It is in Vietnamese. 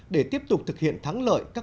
để tiếp tục thực hiện thắng lợi các mục đích